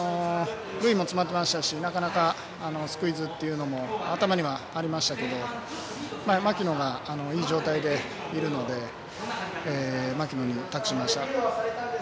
塁も詰まっていましたしスクイズも頭にはありましたけども牧野がいい状態でいるので牧野に託しました。